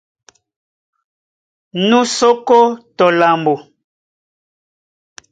Nú sí ókó tɔ lambo.